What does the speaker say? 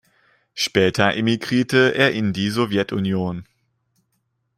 Später emigrierte er in die Sowjetunion.